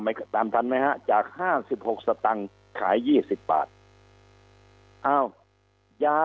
ไม่ตามทันไหมฮะจากห้าสิบหกสตังค์ขายยี่สิบบาทอ้าวยา